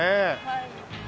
はい。